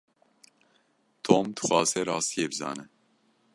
Tom dixwaze rastiyê bizane.